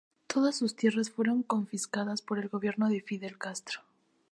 Todas sus tierras fueron confiscada por el gobierno de Fidel Castro.